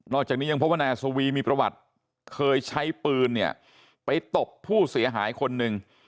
จากนี้ยังพบว่านายอัศวีมีประวัติเคยใช้ปืนเนี่ยไปตบผู้เสียหายคนหนึ่ง